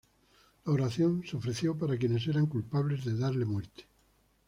La oración se ofreció para quienes eran culpables de darle muerte.